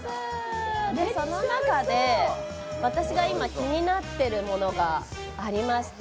その中で私が今、気になっているものがありまして。